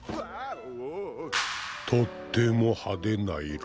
「とっても派手な色。